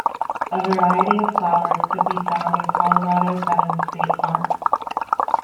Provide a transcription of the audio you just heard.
A variety of flowers could be found in Colorado Bend State Park.